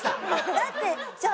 だってじゃあ。